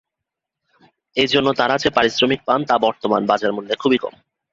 এর জন্য তাঁরা যে পারিশ্রমিক পান, তা বর্তমান বাজারমূল্যে খুব কম।